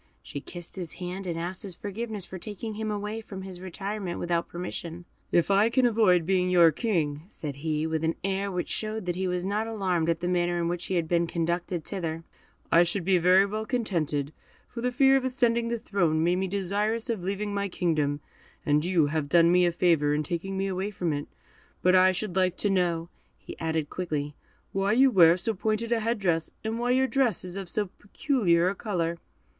She kissed his hand, and asked his forgiveness for taking him away from his retirement without his permission. "If I can avoid being your king," said he, with an air which showed that he was not alarmed at the manner in which he had been conducted thither, "I should be very well contented, for the fear of ascending the throne made me desirous of leaving my kingdom, and you have done me a favour in taking me away from it; but I should like to know," added he, quickly, "why you wear so pointed a head dress, and why your dress is of so peculiar a colour?"